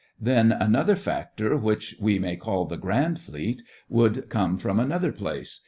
Then another factor which we may call the Grand Fleet would come from another place.